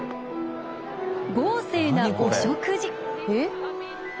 豪勢なお食事。